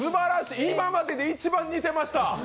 今までで一番似てました。